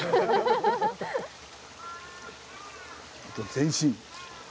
全身。